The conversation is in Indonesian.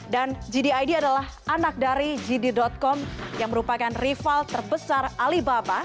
dan gdid adalah anak dari gd com yang merupakan rival terbesar alibaba